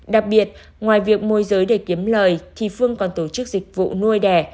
đặc biệt ngoài việc môi giới để kiếm lời thì phương còn tổ chức dịch vụ nuôi đẻ